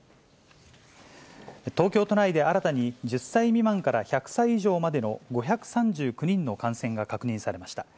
東京都内で新たに、１０歳未満から１００歳以上までの５３９人の感染が確認されました。